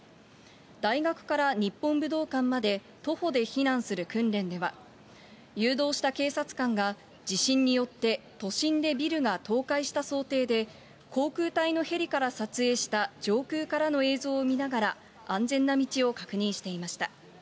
大学から日本武道館まで徒歩で避難する訓練では、誘導した警察官が地震によって都心でビルが倒壊した想定で、航空隊のヘリから撮影した上空からの映像を見ながら、安全な道を確認していました。